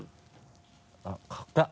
あっ硬い。